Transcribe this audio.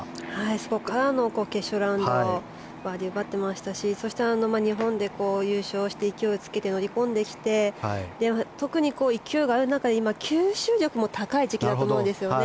そこからの決勝ラウンドバーディーを奪ってましたし日本で優勝して、勢いをつけて乗り込んできて特に勢いがある中で今、吸収力も高い時期だと思うんですよね。